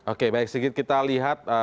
oke baik sedikit kita lihat